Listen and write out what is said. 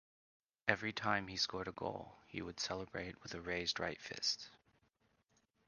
Every time he scored a goal he would celebrate with a raised right fist.